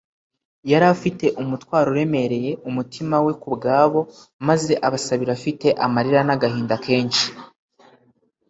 yari afite umutwaro uremereye umutima we ku bwabo, maze abasabira afite amarira n’agahinda kenshi